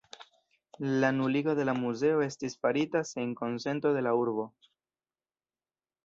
La nuligo de la muzeo estis farita sen konsento de la urbo.